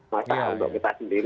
masalah untuk kita sendiri